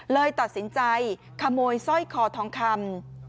เลยตัดสินใจขโมยสร้อยคอทองคำ